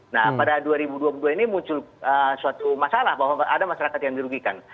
nah pada dua ribu dua puluh dua ini muncul suatu masalah bahwa ada masyarakat yang dirugikan